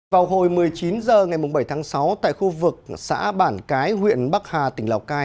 vào hồi một mươi chín h ngày bảy tháng sáu tại khu vực xã bản cái huyện bắc hà tỉnh lào cai